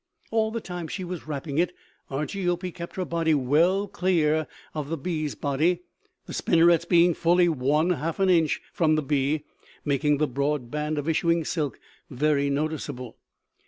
All the time she was wrapping it, Argiope kept her body well clear of the bee's body, the spinnerets being fully one half an inch from the bee, making the broad band of issuing silk very noticeable.